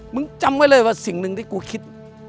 จำไว้เลยว่าสิ่งหนึ่งที่กูคิด